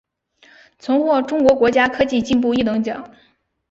曾获中国国家科技进步一等奖。